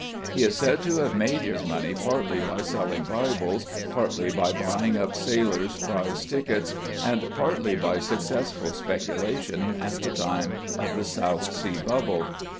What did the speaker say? He is said to have made his money partly by selling Bibles, partly by buying up sailors' prize tickets, and partly by successful speculations at the time of the South Sea Bubble.